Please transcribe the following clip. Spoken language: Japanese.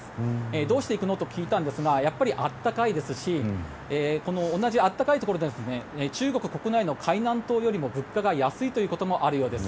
どうして行くの？と聞いたんですがやっぱり暖かいですし同じ暖かいところでも中国国内の海南島よりも物価が安いということもあるようです。